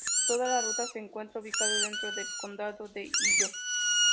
Toda la Ruta se encuentra ubicada dentro del condado de Inyo.